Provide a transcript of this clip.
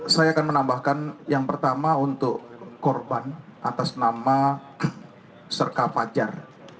saya akan menambahkan yang pertama untuk korban atas nama serka fajar